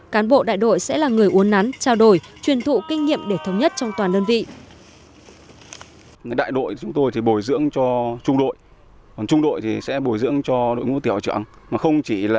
cán bộ đại đội sẽ là người uốn nắn trao đổi truyền thụ kinh nghiệm để thống nhất trong toàn đơn vị